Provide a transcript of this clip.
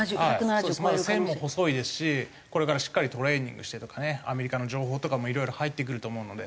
まだ線も細いですしこれからしっかりトレーニングしてとかねアメリカの情報とかもいろいろ入ってくると思うので。